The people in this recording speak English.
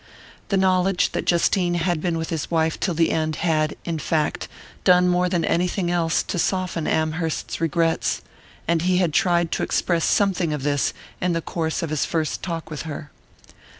The knowledge that Justine had been with his wife till the end had, in fact, done more than anything else to soften Amherst's regrets; and he had tried to express something of this in the course of his first talk with her.